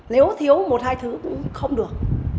nếu thiếu một hai thứ cũng không được